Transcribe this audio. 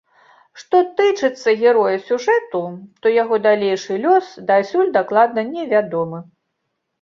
Што тычыцца героя сюжэту, то яго далейшы лёс дасюль дакладна невядомы.